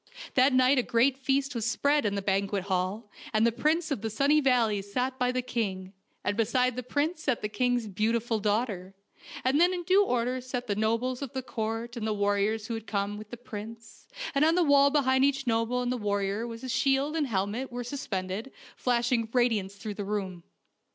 That night a great feast was spread in the ban quet hall, and the Prince of the Sunny Valleys sat by the king, and beside the prince sat the THE FAIRY TREE OF DOOROS 119 king's beautiful daughter, and then in due order sat the nobles of the court and the warriors who had come with the prince, and on the wall behind each noble and warrior his shield and helmet were suspended, flashing radiance through the room.